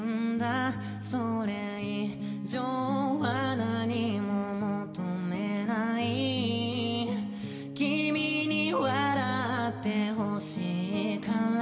「それ以上は何も求めない」「君に笑って欲しいから」